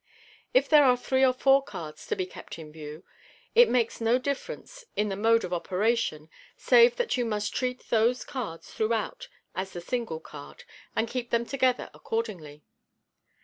If there are three or four cards to be kept in view, it makes no difference in the mode of operation, save that you must treat those cards throughout as the single card, and keep them together accord ingly.